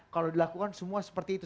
kalau dilakukan semua seperti itu